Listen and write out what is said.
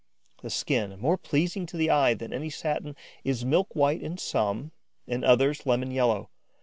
The skin, more pleasing to the eye than any satin, is milk white in some, in others lemon yellow.